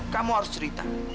kamu harus cerita